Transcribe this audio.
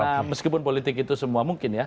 karena meskipun politik itu semua mungkin ya